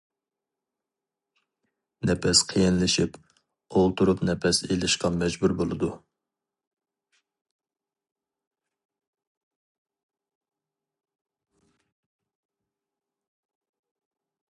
نەپەس قىيىنلىشىپ، ئولتۇرۇپ نەپەس ئېلىشقا مەجبۇر بولىدۇ.